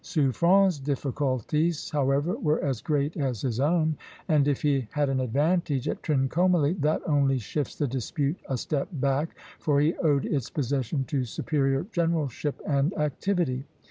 Suffren's difficulties, however, were as great as his own; and if he had an advantage at Trincomalee, that only shifts the dispute a step back, for he owed its possession to superior generalship and activity.